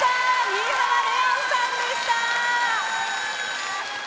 新浜レオンさんでした。